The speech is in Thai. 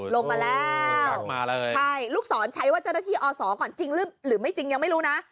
ลงมาแล้วลูกสอนใช้วัตเจษฐีอสก่อนจริงหรือไม่จริงยังไม่รู้นะ